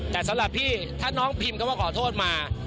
แต่สำหรับพี่ถ้าน้องพิมพ์เขามาขอโทษมา